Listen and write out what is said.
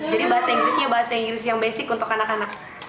jadi bahasa inggrisnya bahasa inggris yang basic untuk anak anak